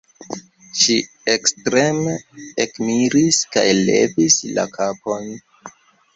Ŝi ekstreme ekmiris kaj levis la kapon: